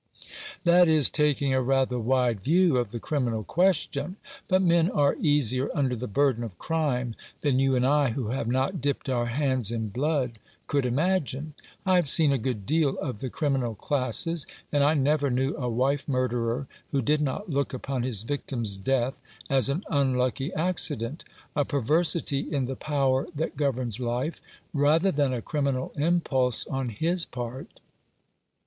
"That is taking a rather wide view of the criminal question. But men are easier under the burden of crime than you and I, who have not dipped our hands in blood, could imagine. I have seen a good deal of the criminal classes, and I never knew a wife murderer who did not look upon his victim's death as an unlucky accident — a perversity in the Power that governs life, rather than a criminal impulse on his part."